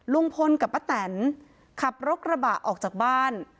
ลุงพลกับป้าแตนขับรถกระบะออกจากบ้าน